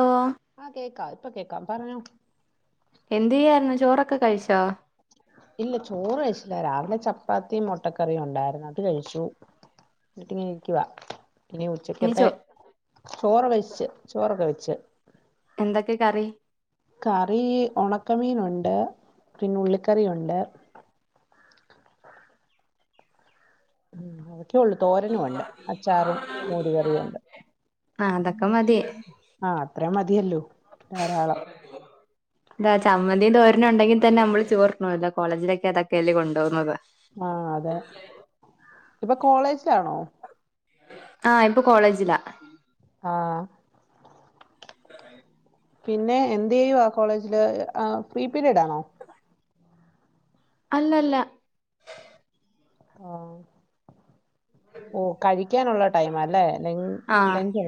ഓഹ് ആഹ് കേക്കാം ഇപ്പൊ കേക്കാം പറഞ്ഞോ എന്തയ്യാരുന്നു ചോറൊക്കെ കഴിച്ചോ ഇല്ല ചോറ് കഴിച്ചില്ല രാവിലെ ചപ്പാത്തിയും മുട്ടക്കറിയും ഉണ്ടായിരുന്നു അത് കഴിച്ചു ഇന്നട്ടിങ്ങനെ ഇരിക്കുവാ ഇനി ഉച്ചക്കത്തെ ചോറൊ വെച്ച് ചോറൊക്കെ വെച്ച് എന്തെക്കെ കറി കറി ഒണക്കമീനുണ്ട് പിന്നെ ഉള്ളിക്കറിയുണ്ട് അത്രേള്ളൂ തോരനും ഉണ്ട് അച്ചാറും മോരുകറിയും ഉണ്ട് ആഹ് അതൊക്കെ മതി. ആഹ് അത്രേ മതിയല്ലോ ധാരാളം [inaudible] ഇന്താ ചമ്മതി തോരനു ഉണ്ടെങ്കിതന്നെ നമ്മള് ചോർണുവല്ലോ കോളേജിലൊക്കെ അതക്കെല്ല കൊണ്ടോകുന്നത് ആഹ് അതെ ഇപ്പൊ കോളേജിലാണോ ആഹ് ഇപ്പൊ കോളേജിലാ ആഹ് [inaudible] പിന്നെ എന്തയ്യുവാ കോളേജില് ആ ഫ്രീ പിരീഡ് ആണോ അല്ലല്ല ആഹ് ഓഹ് കഴിക്കാനുള്ള ടൈംല്ലേ ലഞ്ച് ആഹ് ലഞ്ച്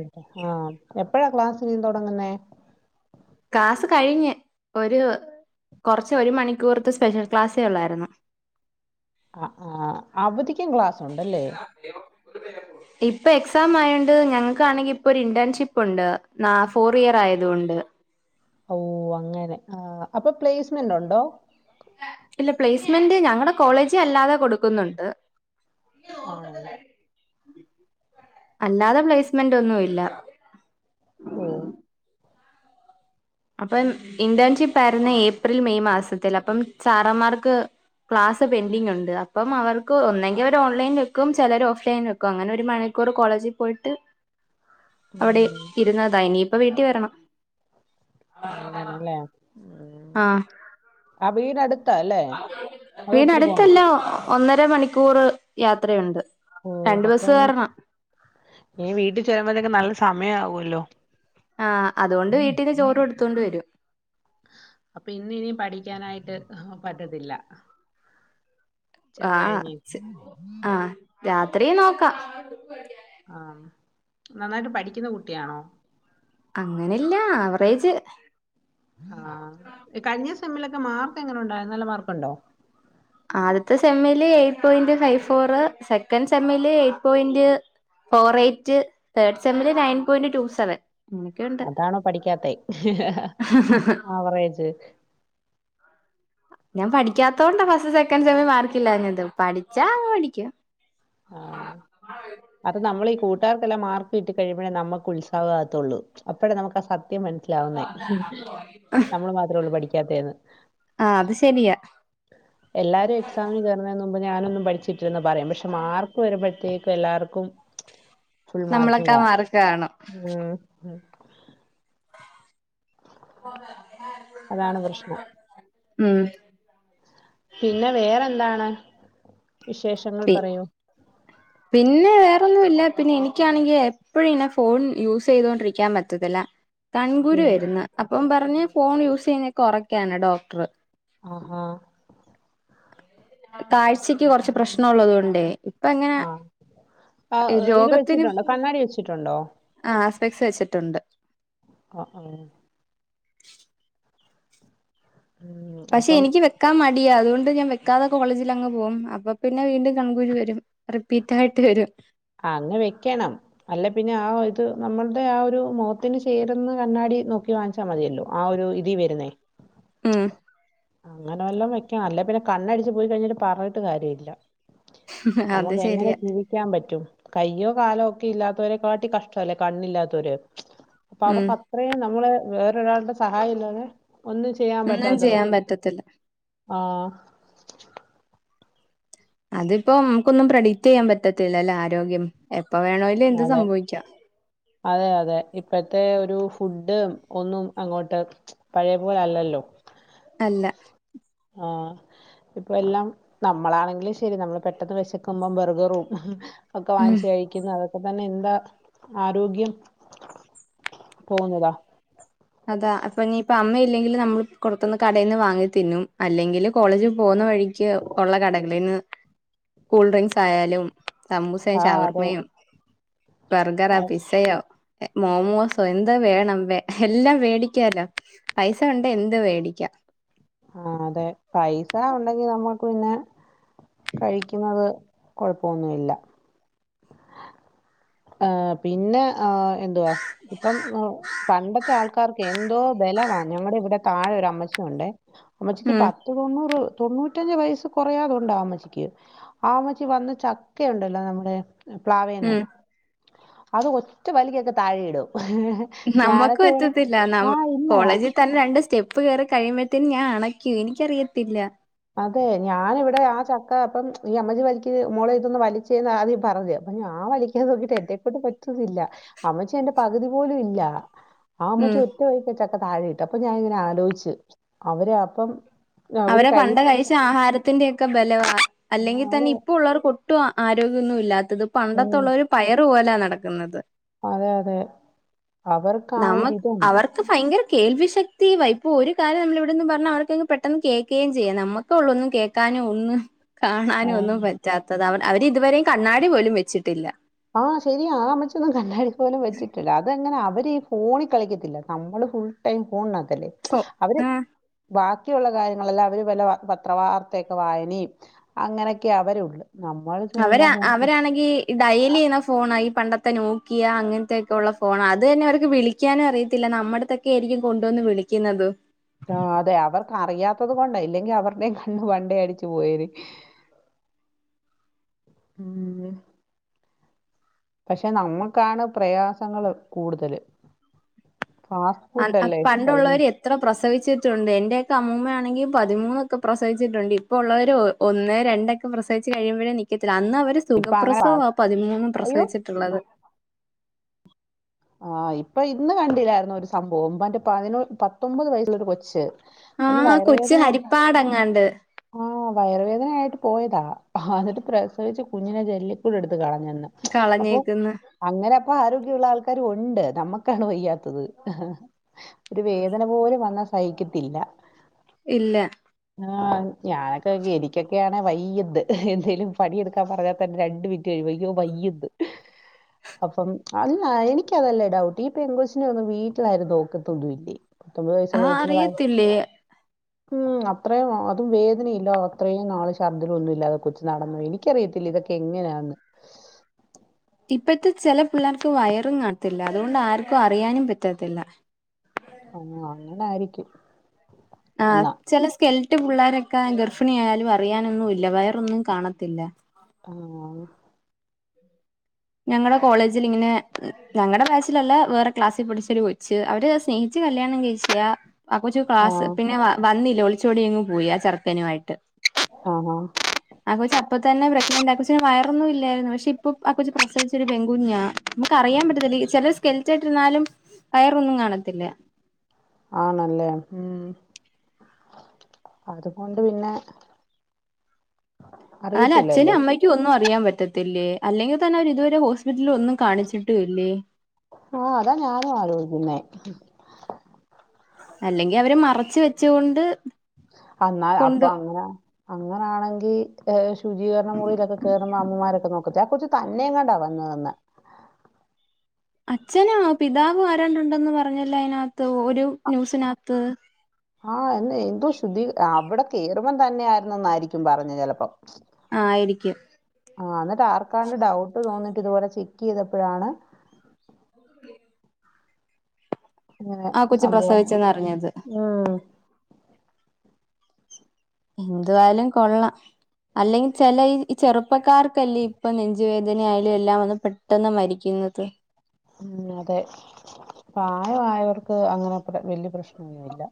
ആഹ് എപ്പഴാ ക്ലാസ് ഇനീ തുടങ്ങുന്നേ ക്ലാസ് കഴിഞ്ഞ് ഒരു കുറച്ച് ഒരു മണിക്കൂർത്ത് സ്പെഷ്യൽ ക്ലാസ്സേ ഉള്ളായിരുന്നു അഹ് ആഹ് അവധിക്കും ക്ലാസ് ഉണ്ടല്ലേ [inaudible] ഇപ്പൊ എക്സാം ആയോണ്ട് ഞങ്ങൾക്കാണെങ്കി ഇപ്പൊരു ഇന്റേൺഷിപ്പ് ഉണ്ട് ന ഫോർ ഇയർ ആയത് കൊണ്ട് ഓഹ് അങ്ങനെ ആ അപ്പൊ പ്ലേസ്മെന്റ് ഉണ്ടോ ഇല്ല പ്ലേസ്മെന്റ് ഞങ്ങടെ കോളേജ് അല്ലാതെ കൊടുക്കുന്നുണ്ട് ആണോ? അല്ലാതെ പ്ലേസ്മെന്റ് ഒന്നും ഇല്ല. ഓഹ്. അപ്പം ഇന്റേൺഷിപ്പ് ആയിരുന്നു ഏപ്രിൽ മെയ് മാസത്തിൽ. അപ്പം സാറന്മാർക്ക് ക്ലാസ് പെൻഡിങ് ഉണ്ട്. അപ്പം അവർക്ക് ഒന്നെങ്കിൽ അവര് ഓൺലൈൻ വെക്കും ചിലർ ഓഫ് ലൈൻ വെക് കു. അങ്ങെനെ ഒരു മണിക്കൂർ കോളേജി പോയിട്ട് അവിടെ ഉം, ഇര്ന്നതാ. ഇനിയിപ്പ വീട്ടി വെരണം. ഓഹ് അങ്ങനെ അല്ലെ? ആഹ്. അബീനട് വീടിനടുത്തല്ല. ഒന്നര മണിക്കൂർ യാത്രയുണ്ട്. ഓഹ് രണ്ട് ബസ് അപ്പം കേറണം നീ വീട്ടി ചെല്ലുമ്പത്തേക്കും നല്ല സമയാവൊല്ലോ. ആഹ് അതുകൊണ്ട് വീട്ടീന്ന് ചോറും എടുത്തോണ്ട് വരും. അപ്പൊ ഇന്നിനി പഠിക്കാനായിട്ട് പറ്റത്തില്ല. ചെന്ന് ആഹ്. കഴിഞ്ഞ് അഹ് രാത്രി നോക്കാം. ആഹ്. നന്നായിട്ട് പഠിക്കുന്ന കുട്ടിയാണോ? അങ്ങെനെ ഇല്ല. ആവറേജ്. ആഹ്. കഴി‌ഞ്ഞ സെമ്മിലൊക്കെ മാർക്ക് എങ്ങെനെ ഉണ്ടായ് നല്ല മാർക്കുണ്ടോ? ആദ്യത്തെ സെമ്മില് eight point five four. Second സെമ്മില് eight point four eight. Third സെമ്മില് നയൻ പോയ്ന്റ് റ്റു സെവൻ. അങ്ങനെയൊക്കെയുണ്ട് അതാണോ പഠിക്കാത്തെ ആവറേജ്? ഞാൻ പഠിക്കാത്തോണ്ടാ ഫസ്റ്റ് സെക്കൻ സെമ്മി മാർക്കില്ലാഞ്ഞത്. പഠിച്ചാ പഠിക്കും. ആഹ്. അത് നമ്മളീ കൂട്ടാർക്കെല്ലാം മാർക്ക് കിട്ടി കഴിയുമ്പഴാ നമുക്കുത്സാഹം ആകത്തൊള്ളു. അപ്പഴേ നമുക്കാ സ ത്യം മനസ്സിലാവുന്നേ നമ്മള് മാത്രേള്ളു പഠിക്കാത്തേന്ന്. ആഹ് അത് ശെരിയാ. എല്ലാരും എക്സാമിന് കേറുന്നേന് മുമ്പ് ഞാനൊന്നും പഠിച്ചിട്ടില്ലെന്ന് പറയും. പക്ഷെ മാർക്ക് വരുമ്പഴത്തേക്കും എല്ലാർക്കും ഫുൾ നമ്മളൊക്കെ മാർക്ക്ണ്ടാവും. മാർക്ക് കാണും ഉം. അതാണ് പ്രശ്നം ഉം. പിന്നെ വേറെന്താണ്? വിശേഷങ്ങൾ പി പറയൂ. പിന്നെ വേറൊന്നുല്ല. പിന്നെ എനിക്കാണെങ്കി എപ്പഴും ഇങ്ങനെ ഫോൺ യൂസെയ്തോണ്ടിരിക്കാൻ പറ്റത്തില്ല. കൺകുരു ഉം. വര്ന്ന്. അപ്പം പറഞ്ഞ് ഫോൺ യൂസ് ചെയ്യുന്നത് കൊറയ്ക്കാന് ഡോക്ടറ്. ആഹാ. കാഴ്ചയ്ക്ക് കൊറച്ച് പ്രശ്നം ഉള്ളത് കൊണ്ടെ. ഇപ്പങ്ങനെ ആഹ് ആ ഏഹ് ഇത് രോഗത്തിനും വെച്ചിട്ടുണ്ടോ കണ്ണാടി വെച്ചിട്ടുണ്ടോ? ആഹ് സ്പെക്സ് വെച്ചിട്ടുണ്ട്. അഹ് ആഹ്. ഉം പക്ഷെ അപ്പം എനിക്ക് വെക്കാൻ മടിയാ. അതുകൊണ്ട് ഞാൻ വെക്കാതെ കോളേജിൽ അങ്ങ് പോകും. അപ്പൊ പിന്നെ വീണ്ടും കൺകുരു വരും. റിപ്പീറ്റായിട്ട് വരും. അങ്ങ് വെക്കണം. അല്ലേപ്പിന്നെ ആഹ് ഇത് നമ്മൾടെ ആഹ് ഒരു മുഖത്തിന് ചേര്ന്ന കണ്ണാടി നോക്കി വാങ്ങിച് ച്ച മതിയല്ലോ ആ ഒരു ഇതി വരുന്നേ. ഉം. നല്ലോം വെയ്ക്കാ അല്ലെ പിന്നെ കണ്ണടിച്ച് പോയി കഴ്ഞ്ഞിട്ട് പർഞ്ഞിട്ട് കാര്യഇല്ല. അത് നമുക്ക് എങ്ങെനെ ശരിയാ ജീവിക്കാൻ പറ്റും? കയ്യോ കാലോ ഒക്കെ ഇല്ലാത്തവരെ കാട്ടി കഷ്ട്ടവല്ലേ കണ്ണില്ലാത്തോര്. അപ്പൊ ഉം അവർക്ക ത്രയും ന്നമ്മള് വേറൊരാൾടെ സഹായല്ലാതെ ഒന്നും ചെയ്യാൻ ഒന്നും പറ്റാതാവും. ചെയ്യാൻ പറ്റത്തില്ല ആഹ്. അതിപ്പോം മുക്കൊന്നും പ്രഡിക്റ്റെയ്യാൻ പറ്റത്തില്ലല്ലോ ആരോഗ്യം. എപ്പ വേണോലും എന്തും അതെ സംഭവിക്കാം. അതെ, അതെ ഇപ്പഴത്തെ ഒരു ഫുഡ് ഒന്നും അങ്ങോട്ട് പഴേ പോലെഅല്ലല്ലോ അല്ല. ആഹ് ഇപ്പം എല്ലാം നമ്മളാണെങ്കിലും ശരി നമ്മള് പെട്ടെന്ന് വെശക്കുമ്പം ബർഗറും ഒക്കെ ഉം വാങ്ങിച്ച് കഴി ക്കുന്ന അതൊക്കെ തന്നെ എന്താ ആരോഗ്യം പോകുന്നതാ. അതാ അപ്പൊഞ്ഞിയിപ്പ അമ്മയി ല്ലെങ്കില് നമ്മൾ കൊറത്തുന്ന് കടയിൽന്ന് വാങ്ങി തിന്നും. അല്ലെങ്കില് കോളേജി പോകുന്ന വഴിയ്ക്ക് ഒള്ള കടകളീന്ന് കൂൾ ഡ്രിങ്ക്സ് ആയാലും സമൂസയും ആഹ് അതെ ഷവർമ്മയും ബർഗറാ ആഹ് പിസ്സയോ എ മോമോസോ എന്താ വേണം വേ എല്ലാം വേടിക്കാലോ പൈസ ഉണ്ടേ എന്തും വേടിക്കാം. ആഹ്, അതെ പൈസ ഉണ്ടെങ്കി നമ്മൾക്ക് പിന്നെ കഴിയ്ക്കുന്നത് കൊഴപ്പൊഒന്നുഇല്ല. ആഹ് പിന്നെ ആഹ് എന്തുവാ ദ്പ്പം പണ്ടത്തെ ആൾക്കാർക്കെ എന്തോ ബലവാ ഞങ്ങടെ ഇവ്ടെ താഴെ ഒരു അമ്മച്ചി ഉണ്ടേ അമ്മച്ചിക്ക് ഉം പത്ത് തൊണ്ണൂറ് തൊണ്ണൂറ്റഞ്ച വയസ്സ് കൊറയാതുണ്ടാ അമ്മച്ചിയ്ക്ക് ആ അമ്മച്ചി വന്ന് ചക്കയുണ്ടല്ലോ നമ്മുടെ പ്ലാവേന്ന് ഉം അത് ഒറ്റ വലിയ്ക്കൊക്കെ താഴെയിടും. നമ്മക്ക് ഞാനൊക്കെ ഇവിടെ പറ്റത്തില്ല നമ്മ് ആഹ് ഇല്ല കോളേജി തന്നെ രണ്ട് സ്റ്റെ പ്പ് കേറി കഴിയുമ്പഴത്തേനും ഞാൻ അണയ്ക്കും എനിയ്ക്കറിയത്തില്ല. അതെ ഞാനിവിടെ ആ ചക്ക അപ്പം ഈ അമ്മച്ചി വലിക്ക്ത് മോളെ ഇതൊന്ന് വലിച്ചേന്ന് ആദ്യം പറഞ്ഞ് അപ്പം ഞാ വലി ക്കാൻ നോക്കിട്ട് എൻ്റെകൊണ്ട് പറ്റുന്നില്ല അമ്മച്ചി എന്റെ പകുതി പോലും ഇല്ല. ആ ഉം ആമ്മച്ചി ഒറ്റ വലിക്കാ ചക്ക താഴെ ഇട്ട് അപ്പൊ ഞാ ഇങ്ങനെ ആലോചിച്ച് അവര് അപ്പം അവരാ പണ്ട് കഴിച്ച ആഹാരത്തിന്റെ ഒക്കെ ബലവാ, ആ അതെ അല്ലെങ്കിതന്നെ ഇപ്പൊ ഉള്ളവർക്കൊട്ടും ആരോഗ്യൊന്നും ഇല്ലാത്തത് ഉം പണ്ടത്തുള്ളവര് പയറ് പോലാ നടക്കുന്നത്. അതെ, അതെ അവർക്ക് ആ ഒരിതും ക്ക് ഫയങ്കര കേൾവി ശക്തി വയ് ഇപ്പൊ ഒരു കാരം നമ്മളിവിടുന്ന് പർഞ്ഞാ അവർക്കങ്ങ് പെ ട്ടന്ന് കേക്കുകയും ചെയ്യാം, നമ്മക്കോള്ളു ഒന്നും കേക്കാനും ഒന്നും ആ കാണാനും ഒന്നും പ റ്റാത്തത്, അവ അവര് ഇതുവരെയും കണ്ണാടി പോലും വെച്ചിട്ടില്ല. ആഹ് ശരിയാ ആ അമ്മച്ചൊന്നും കല്ലാടി പോലും വെച്ചിട്ടില്ല. അതെങ്ങനെ അവര് ഈ ഫോണിൽ കളിക്കത്തില്ല നമ്മള് ഫുൾ ടൈം ഫോൺനാത്തല്ലേ സോ അവര് ആഹ് ബാക്കിയുള്ള കാര്യങ്ങളെല്ലാം അവര് വല്ല പത്ര വർത്തയൊക്കെ വായനീം അങ്ങനെയൊക്കെ അവര് ഉള്ള് നമ്മൾ അവരാ അവരാണെങ്കീ ഡയലി ചെയ്യുന്ന ഫോണാ ഈ പണ്ടത്തെ നോക്കിയ അങ്ങനത്തെയൊക്കെ ഒള്ള ഫോണാ അ തെന്നെ അവർക്ക് വിളിക്കാനും അറിയത്തില്ല നമ്മടത്തൊക്കെ ആയിരിക്കും കൊണ്ടുവന്ന് വിളിയ്ക്കുന്നതും ആഹ്, അതെ അവർക്ക് അറിയാത്തത് കൊണ്ട ഇല്ലെങ്കി അവർടെയും കണ്ണ് വണ്ടേ അടിച്ചു പോയേര്. ഉം പക്ഷെ നമ്മുക്കാണ് പ്രയാസങ്ങള് കൂടുതല് ഫ പണ്ടുള്ളോർ ഇത്ര പ്രസവിച്ചിട്ടുണ്ട് എന്റെയൊക്കെ അമ്മൂമ്മയാണെങ്കിൽ പതിമൂന്നൊക്കെ പ്രസവിച്ചിട്ടുണ്ട് ഇപ്പൊ ഉള്ളവര ഒന്ന് രണ്ടൊക്കെ പ്രസവിച്ച് കഴിയുമ്പോഴേ നീക്കത്തില്ല അന്ന് അവര് ഇപ്പൊ അങ്ങനെ ഫാ സുഖപ്രസവം ആ പതിമൂന്നും അയ്യോ പ്രസവിച്ചിട്ടുള്ളത് ആഹ് ഇപ്പൊ ഇന്ന് കണ്ടില്ലായിരുന്നു ഒരു സംഭവംന്റെ പതിന പത്തൊമ്പത് വയസ്സിലൊരു കൊച്ച് അയിന് ആഹ് കൊച്ചു ഹരിപ്പാട്ങ്ങാണ്ട് ആഹ വയറുവേദനയായിട്ട് പോയതാ എന്നിട്ട് പ്രസവിച്ചു കുഞ്ഞിനെ ജല്ലി എടുത്ത് കാളഞ്ഞെന്ന് അപ്പൊ കളഞ്ഞേക്കുന്നു അങ്ങനെ അപ്പ ആരോഗ്യമുള്ള ആൾക്ക ക്കാരും ഉണ്ട് നമ്മക്കാണ് വയ്യാത്തത് ഒരു വേദന പോലും വന്നാ സഹിക്കത്തില്ല ഇല്ല ആഹ് ഞാനൊക്കെ എനിക്കൊക്കെയാണ് വയ്യത് എന്തേലും പണിയെടുക്കാൻ പറഞ്ഞാൽ തന്നെ രണ്ട് മി [unintelligible] അപ്പം അല്ല എനിക്ക് എനിക്കതല്ലേ ഡൗട്ട് ഈ പെങ്കൊച്ചിനെ ഒന്ന് വീട്ടിലാരും നോക്കത്തൊന്നുമല്ലേ ആഹ് അറിയത്തില്ലേ ഉം, അത്രയും അതും വേദനയില്ലോ അത്രേയും നാള് ശർദിലൊന്നുമില്ലാതെ കൊച്ച് നടന്നു ക്ക് അറിയത്തില്ല ഇതൊക്കെ എങ്ങനെന്ന്. ഇപ്പത്തെ ചില പിള്ളേർക്ക് വയറും കാണത്തില്ല അതുകൊണ്ട് ആർക്കും അറിയാനും പറ്റാത്തില്ല. ഓ, അങ്ങനെ ആയിരിക്കും ആഹ് എന്നാ ചില സ്കെൽറ്റ് പിള്ളോരൊക്കെ ഗർഫിണി ആയാലും അറിയാനൊന്നും ഇല്ല വയറൊന്നും കാണത്തില്ല. ഉം ഞങ്ങടെ കോളേജിൽ ഇങ്ങനെ ഞങ്ങടെ ബാച്ചിലല്ല വേറെ ക്ലാസ്സിൽ പഠിച്ച ഒരു കൊച്ച് അവര് സ്നേ ഹിച്ചു കല്യാണം കഴിച്ചതാ. ആ കൊച്ചു ആ ക്ലാസ്സ് പിന്നെ വന്നില്ല ഒളിച്ചോടിങ്ങ് പോയി ചെറക്കനുവായിട്ട്. ആഹ് ആഹ് ആ കൊച്ചപ്പൊ തന്നെ പ്രെഗ്നന്റ് ആ കൊച്ചിന് വയറൊന്നും ഇല്ലായിരുന്നു പക്ഷെ ഇപ്പൊ ആ കൊച്ച് പ്രസവിച്ചു പെൺകുഞ്ഞ. നമുക്ക് അറിയാൻ പറ്റത്തില്ല ചില സ്കെൽറ്റായിട്ട് ഇരുന്നാലും വയറൊന്നും കാണത്തില്ല. ആണല്ലേ, ഉം അതുകൊണ്ട് പിന്നെ ന്നാലും അച്ഛനും അറിയത്തില്ലല്ലോ അമ്മക്കും ഒന്നും അറിയാൻ പറ്റത്തില്ലേ അല്ലെങ്കിൽ തന്നെ അവര് ഇതുവരെ. ഹോസ്പിറ്റലിലൊന്നും കാണിച്ചിട്ടുല്ലേ. ആഹ് അതാ ഞാനും ആലോയ്ക്കുന്നെ അല്ലെങ്കി അവര് മറച്ച് വെച്ചു കൊണ്ട് അ, അപ്പൊ അങ്ങനെ അങ്ങനാണെങ്കി ശുചീകരണ മുറിയിലൊക്കെ കേറുമ്പോ അമ്മമാരൊക്കെ നോക്കത്തില്ലേ ആ കൊച്ചു തന്നെങ്ങാണ്ടാ വന്നത്. അച്ഛനാ പിതാവ് ആരണ്ടണ്ടെന്ന് പറഞ്ഞില്ല അതിനകത്ത് ഒരു ന്യൂസിനകത്ത്. ആഹ, എന്ന എന്തോ ശുദ്ധീ അവിടെ കയറുമ്പത്തന്നെ ആയിരുന്നു എന്നായിരിക്കും പറഞ്ഞു ചിലപ്പോം. ആയിരിക്കും ആ, ന്നിട്ട് ആർക്കാണ്ട് ഡൗട്ട് തോന്നിട്ട് ഇതുപോലെ ചെക്ക് ചെയ്തപ്പോഴാണ്. ഇങ്ങനെ ആ കൊച്ച് സംഭവം പ്രസവിച്ചെന്ന് അറിഞ്ഞത് ഉം എന്തുവായാലും കൊള്ളാം. അല്ലെങ്കിൽ ചെല ഈ ചെറുപ്പക്കാർക്കല്ലേ ഇപ്പൊ നെഞ്ചുവേദനയാലും എല്ലാം വന്ന് പെ ട്ടെന്ന് മരിക്കുന്നത്. ഉം, അതെ പ്രായ ആയോർക്ക് അങ്ങനെ വല്യ പ്രശ്നൊന്നുല്ല.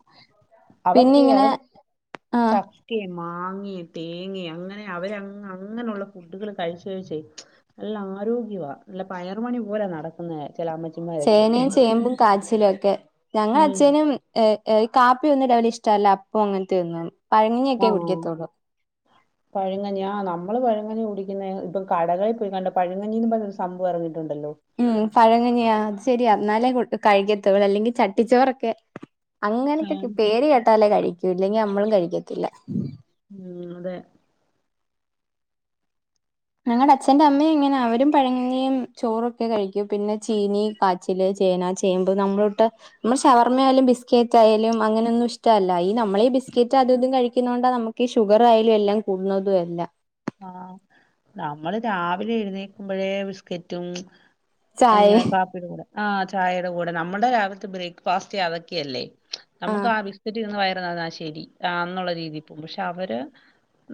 പിന്നെ അവർക്കെ ഇങ്ങനെ അവര് ആ ച. ക്കിം മാങ്ങിം തേങ്ങി അങ്ങനെ അവര് അങ്ങ് അങ്ങനുള്ള ഫുഡുകള് കഴിച്ച് കഴിച്ചെ. നല്ല ആരോഗ്യവാ നല്ല പയറ് മണി പോലെ നടക്കുന്നെ ചെല അമ്മച് ചേനേം ചേമ്പും കാച്ചിലു ഒക്കെ ഞങ്ങളെ ഉം അച്ച്ചനും. ഏ ഏ ഈ കാപ്പി ഒന്നും രാവിലെ ഇഷ്ടവല്ലാ അപ്പോം അങ്ങൻത്തെയൊന്നും പഴങ്കഞ്ഞിയൊക്കെ ആഹ് കുടിക്കത്തുള്ളൂ. [inaudible] പഴങ്കഞ്ഞി ആഹ് നമ്മള് പഴങ്ങഞ്ഞി കുടിക്കുന്നെ ഇപ്പം കടകളെ പോയിക്കാണ്ട് പഴങ്കഞ്ഞിന്ന് പറഞ്ഞൊരു സംഭവം ഇറങ്ങിട്ടുണ്ടല്ലോ. ഉം പഴങ്കഞ്ഞിയാ അത് ശരിയ എന്നാലേ കു കഴിക്കത്തു അവരല്ലെങ്കി ചട്ടിച്ചോറൊക്കെ. അങ്ങനക്കെകെ ആഹ് പേര് കേട്ടാലേ കഴിക്കൂ ഇല്ലെങ്കി നമ്മളും കഴിക്ക്യത്തില്ല. ഉം അതേ. ഞങ്ങടെ അച്ഛന്റെ അമ്മയും ഇങ്ങനാ അവരും പഴങ്ങഞ്ഞിയും ചോറൊക്കെ കഴിക്കും പിന്നെ ചീനി. കാച്ചില് ചേന ചേമ്പ് നമ്മളോട്ട് നമ്മള് ശവർമ്മയാലും ബിസ്ക്കേറ്റ് ആയാലും അങ്ങനൊന്നും ഇഷ് ട്ടല്ല ഈ നമ്മളെ ഈ ബിസ്ക്കെറ്റ് അത് ഇതും കഴിക്ക്യുന്നോണ്ട നമുക്ക് ഷുഗറായാലും എല്ലാം കൂടുന്നത് എല്ല. ആഹ് നമ്മള് രാവിലെ എഴുന്നേക്കുമ്പഴേ ബിസ്കറ്റും. ചായ എങ്ങനെ കാപ്പിയുടെ കൂടെ ആഹ് ചായയുടെ കൂടെ നമ്മുടെ രാവിൽത്തെ ബ്രേക്ക്ഫാസ്റ്റ് അതക്കെയല്ലേ. നമുക്ക് ആഹ് ആ ബിസ്കറ്റ് ഇരുന്ന് വയറ് [unintelligible] ശരി ആന്നുള്ള രീതി പോകും പക്ഷെ അവര്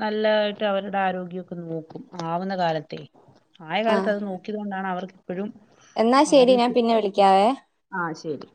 നല്ലതായിട്ട് അവർ. ര്ടെ ആരോഗ്യൊക്കെ നോക്കും ആവുന്ന കാലത്തെ ആയ കാലത്ത് ആഹ് അത് നോക്കിയത് കൊണ്ടാണ് അവർക്ക് ഇപ്പഴും. എന്നാ ശരി ഞാൻ പിന്നെ വിളിക്ക്യാവേ. ആഹ് ശരി.